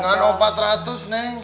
nggak ada empat ratus neng